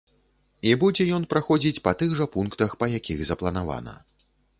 І будзе ён праходзіць па тых жа пунктах, па якіх запланавана.